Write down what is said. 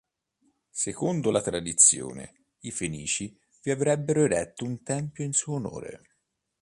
Secondo la tradizione i Fenici vi avrebbero eretto un tempio in suo onore.